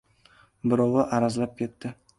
Birovi arazlab ketdi.